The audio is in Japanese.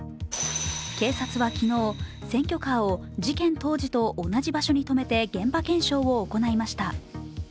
警察は昨日、選挙カーを事件当時と同じ場所に止めて現場検証を行いました。